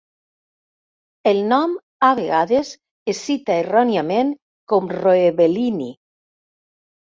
El nom ha vegades es cita erròniament com "roebelinii".